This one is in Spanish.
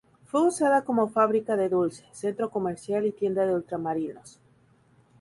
Fue usada como fábrica de dulce, centro comercial y tienda de ultramarinos.